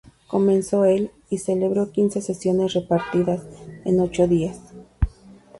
Comenzó el y celebró quince sesiones repartidas en ochos días.